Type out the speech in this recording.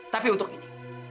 tapi untuk ini